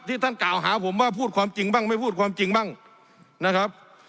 ท่านกล่าวหาผมว่าพูดความจริงบ้างไม่พูดความจริงบ้างนะครับ